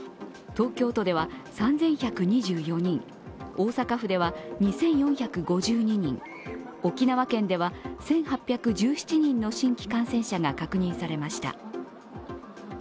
東京都では３１２４人、大阪府では２４５２人、沖縄県では１８１７人の新規感染者が確認されました。